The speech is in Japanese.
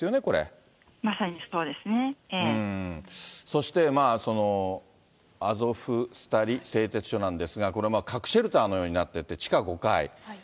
そして、アゾフスタリ製鉄所なんですが、これ、核シェルターのようになってて、地下５階。